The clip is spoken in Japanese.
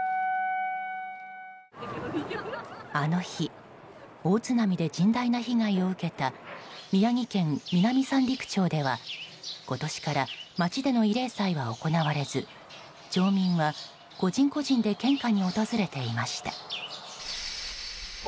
あの日大津波で甚大な被害を受けた宮城県南三陸町では今年から町での慰霊祭は行われず町民は個人個人で献花に訪れていました。